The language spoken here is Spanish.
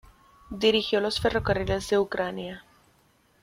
Dirigió los ferrocarriles de Ucrania.